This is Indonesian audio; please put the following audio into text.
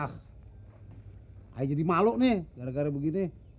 saya jadi malu nih gara gara begini